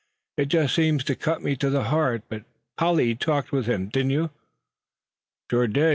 It just seems to cut me to the heart. But Polly, you talked with him, didn't you?" "Shore I did.